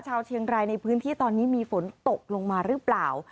ชาวเชียงรายในพื้นที่ตอนนี้มีฝนตกลงมาหรือเปล่า